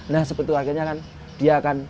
nah seperti itu akhirnya kan dia akan